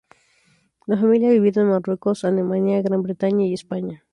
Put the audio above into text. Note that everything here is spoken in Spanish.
La familia ha vivido en Marruecos, Alemania, Gran Bretaña y España.